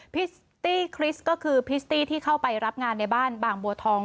ตี้คริสต์ก็คือพริตตี้ที่เข้าไปรับงานในบ้านบางบัวทอง